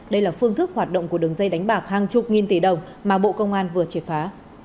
đây là phương thức hoạt động của đường dây đánh bạc hàng chục nghìn tỷ đồng mà bộ công an vừa triệt phá